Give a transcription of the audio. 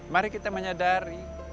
mari kita menyadari